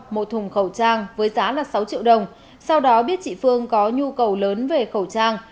một thùng khẩu trang với giá là sáu triệu đồng sau đó biết chị phương có nhu cầu lớn về khẩu trang